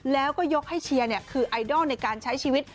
แล้วก็ยกให้เชียร์คือไอดอลในการใช้ชีวิต